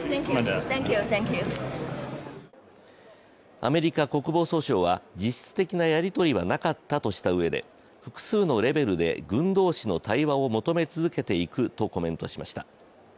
アメリカ国防総省は、実質的なやりとりはなかったとしたうえで複数のレベルで軍同士の対話を求め続けていくとコメントしました。